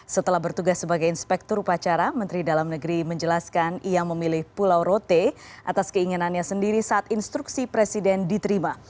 setelah bertugas sebagai inspektur upacara menteri dalam negeri menjelaskan ia memilih pulau rote atas keinginannya sendiri saat instruksi presiden diterima